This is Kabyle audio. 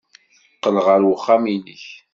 Qqel ɣer uxxam-nnek.